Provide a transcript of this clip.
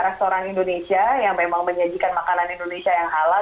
restoran indonesia yang memang menyajikan makanan indonesia yang halal